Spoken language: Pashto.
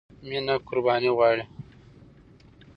مینه قربانی غواړي.